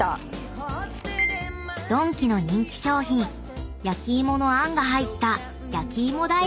［ドンキの人気商品焼き芋のあんが入った］